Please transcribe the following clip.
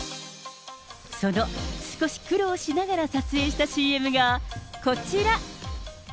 その少し苦労しながら撮影したＣＭがこちら。